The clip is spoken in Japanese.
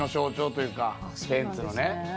ベンツのね。